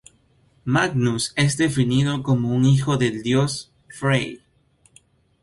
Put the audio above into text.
Magnus es definido como un hijo del dios Frey.